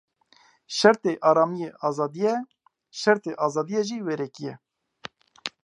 Şertê aramiyê azadî ye, şertê azadiyê jî wêrekî ye.